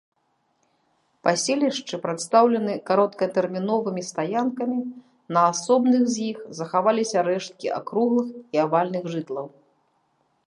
Паселішчы прадстаўлены кароткатэрміновымі стаянкамі, на асобных з іх захаваліся рэшткі акруглых і авальных жытлаў.